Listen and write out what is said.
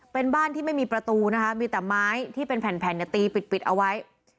เป็นบ้านที่ไม่มีประตูนะคะมีแต่ไม้ที่เป็นแผ่นตีปิดเอาไว้